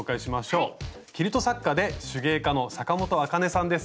キルト作家で手芸家の阪本あかねさんです。